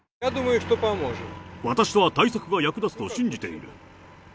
私としては対策が役立つと信じている。